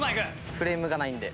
フレームがないんで。